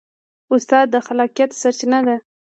استاد د خلاقیت سرچینه ده.